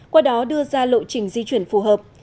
qua đó đưa ra lộ trình di chuyển phù hợp